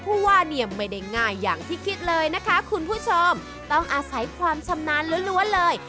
ผู้ว่าเนี่ยไม่ได้ง่ายอย่างที่คิดเลยนะคะคุณผู้ชมต้องอาศัยความชำนาญล้วนเลย